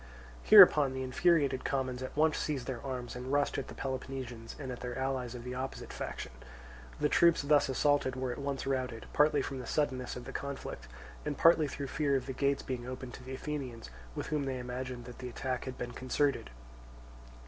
Hereupon the infuriated commons at once seized their arms and rushed at the Peloponnesians and at their allies of the opposite faction. The troops thus assaulted were at once routed, partly from the suddenness of the conflict and partly through fear of the gates being opened to the Athenians, with whom they imagined that the attack had been concerted.